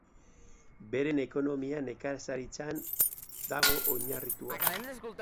Beren ekonomia nekazaritzan dago oinarritua.